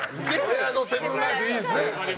親のセブンライトいいですね。